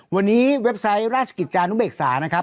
วันนี้เว็บไซต์ราชกิจจานุเบกษานะครับ